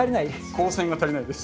光線が足りないです。